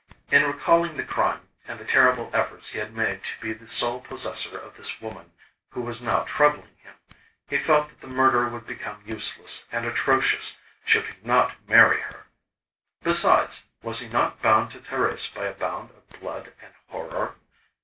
In recalling the crime, and the terrible efforts he had made to be the sole possessor of this woman who was now troubling him, he felt that the murder would become useless and atrocious should he not marry her. Besides, was he not bound to Thérèse by a bond of blood and horror?